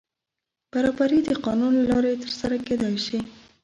برابري د قانون له لارې تر سره کېدای شي.